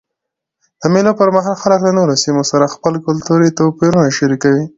د مېلو پر مهال خلک له نورو سیمو سره خپل کلتوري توپیرونه شریکوي.